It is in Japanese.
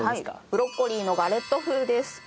ブロッコリーのガレット風です。